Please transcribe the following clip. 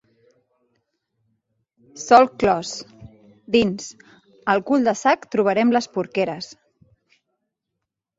«Solc clos» dins Al cul del sac trobarem les porqueres.